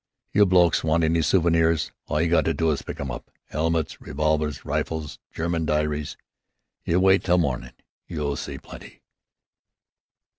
"You blokes want any souvenirs, all you got to do is pick 'em up: 'elmets, revolvers, rifles, German di'ries. You wite till mornin'. You'll see plenty."